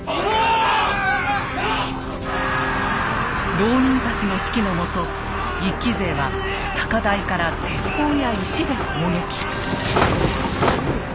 牢人たちの指揮のもと一揆勢は高台から鉄砲や石で攻撃。